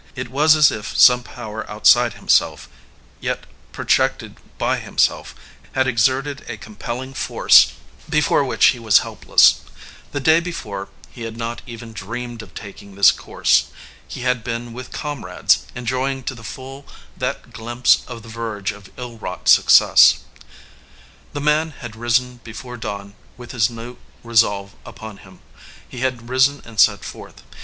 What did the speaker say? It was as if some power outside himself, yet projected by himself, had exerted a compelling force before which he was helpless. The day before he had not even dreamed of taking this course. He had been with comrades, enjoying to the full that glimpse of the verge of ill wrought success. The man had risen before dawn with his new resolve upon him. He had risen and set forth.